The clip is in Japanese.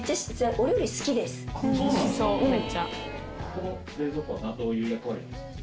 この冷蔵庫はどういう役割なんですか？